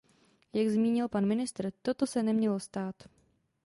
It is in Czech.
Jak zmínil pan ministr, toto se nemělo stát.